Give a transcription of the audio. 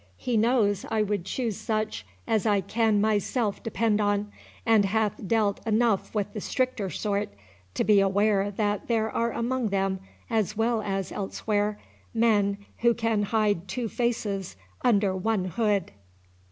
He knows I would choose such as I can myself depend on, and hath dealt enough with the stricter sort to be aware that there are among them, as well as elsewhere, men who can hide two faces under one hood."